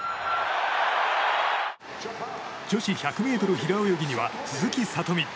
女子１００ｍ平泳ぎには鈴木聡美。